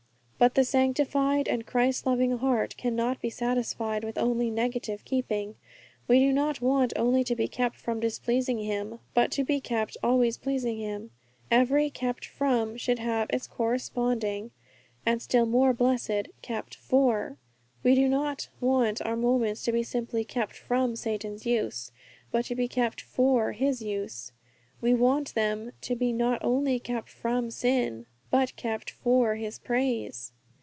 But the sanctified and Christ loving heart cannot be satisfied with only negative keeping. We do not want only to be kept from displeasing Him, but to be kept always pleasing Him. Every 'kept from' should have its corresponding and still more blessed 'kept for.' We do not want our moments to be simply kept from Satan's use, but kept for His use; we want them to be not only kept from sin, but kept for His praise.